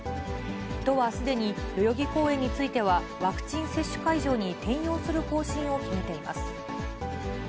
都はすでに、代々木公園についてはワクチン接種会場に転用する方針を決めています。